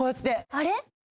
あれ？